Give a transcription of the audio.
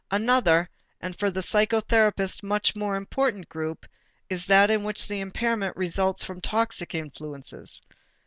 Another and for the psychotherapist much more important group is that in which the impairment results from toxic influences.